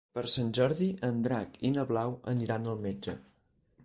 Per Sant Jordi en Drac i na Blau aniran al metge.